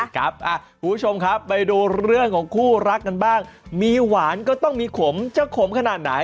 คุณผู้ชมครับไปดูเรื่องของคู่รักกันบ้างมีหวานก็ต้องมีขมจะขมขนาดไหน